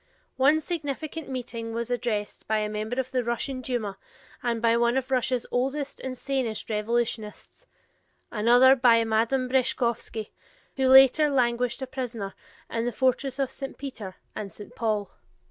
One significant meeting was addressed by a member of the Russian Duma and by one of Russia's oldest and sanest revolutionists; another by Madame Breshkovsky, who later languished a prisoner in the fortress of St. Peter and St. Paul.